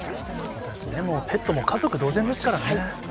本当です、ペットも家族同然ですからね。